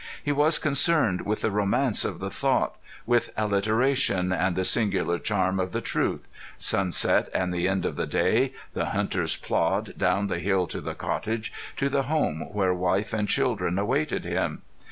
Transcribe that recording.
He was concerned with the romance of the thought, with alliteration, and the singular charm of the truth sunset and the end of the day, the hunter's plod down the hill to the cottage, to the home where wife and children awaited him.